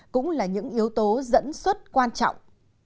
cũng là những yếu tố dẫn xuất quan trọng